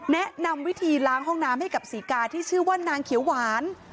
แนะนำวิธีล้างห้องน้ำให้กับศรีกาที่ชื่อว่านางเขียวหวาน